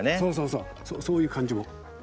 そういう感じも。